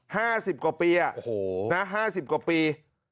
ห้าสิบกว่าปีอะห้าสิบกว่าปี